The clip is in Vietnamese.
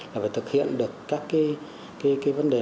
là phải thực hiện được các vấn đề